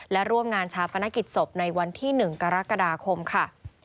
และร่วมงานชาปนกิจศพในวันที่๑กรกฎาคมค่ะ